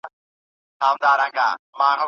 له سترګو رابهېدلې لیکه یې